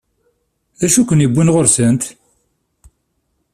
D acu i k-yewwin ɣur-sent?